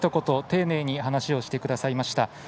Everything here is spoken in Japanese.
丁寧に話をしてくださいました。